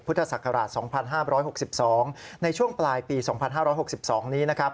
พุทธศักราช๒๕๖๒ในช่วงปลายปี๒๕๖๒นี้นะครับ